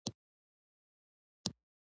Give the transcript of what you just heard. په ټاکنو کې یې پرېکنده بریا ترلاسه کړې وه.